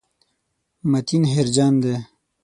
متین هېرجن دی.